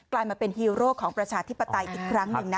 ลายมาเป็นฮีโร่ของประชาธิปไตยอีกครั้งหนึ่งนะ